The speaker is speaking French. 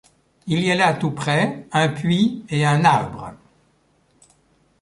Il y a là tout près un puits et un arbre.